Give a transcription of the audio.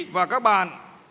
và các bạn